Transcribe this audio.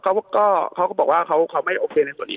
เขาก็เขาก็บอกว่าเขาไม่โอเคในส่วนนี้